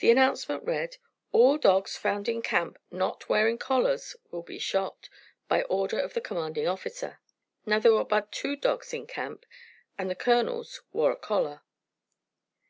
The announcement read: "All dogs found in camp not wearing collars will be shot, by order of the commanding officer." Now there were but two dogs in camp, and the colonel's wore a collar.